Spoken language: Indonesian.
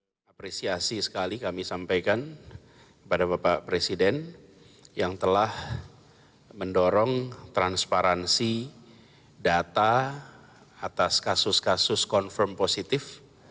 saya apresiasi sekali kami sampaikan kepada bapak presiden yang telah mendorong transparansi data atas kasus kasus confirm positif